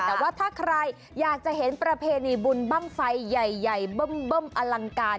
แต่ว่าถ้าใครอยากจะเห็นประเพณีบุญบ้างไฟใหญ่เบิ้มอลังการ